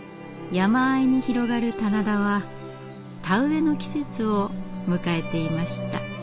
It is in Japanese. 山あいに広がる棚田は田植えの季節を迎えていました。